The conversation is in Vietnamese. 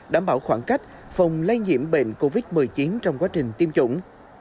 đảm bảo khoảng cách phòng lây nhiễm bệnh covid một mươi chín trong quá trình tiêm chủng